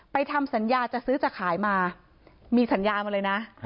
ทำสัญญาจะซื้อจะขายมามีสัญญามาเลยนะ